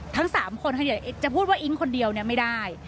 ทั้ง๓คนจะพูดว่าอิ๊งคนเดียวไม่ได้